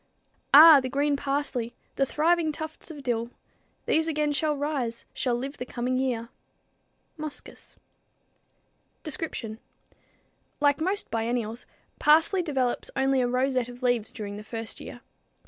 "Ah! the green parsley, the thriving tufts of dill; These again shall rise, shall live the coming year." Moschus [Illustration: Curled Parsley] Description. Like most biennials, parsley develops only a rosette of leaves during the first year.